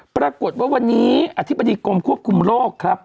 ปรากฏว่าวันนี้อธิบดีกรมควบคุมโรคครับ